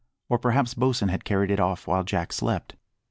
Or perhaps Bosin had carried it off while Jack slept?